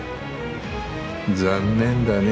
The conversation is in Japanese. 残念だね。